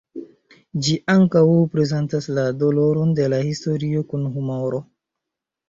Ĝi ankaŭ prezentas la doloron de la historio kun humoro.